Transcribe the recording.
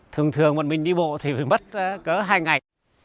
thường thường một mình đi bộ thì phải mất cỡ hai ngày